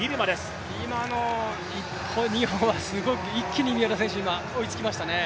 おっ、今の１歩、２歩は一気に三浦選手、追いつきましたね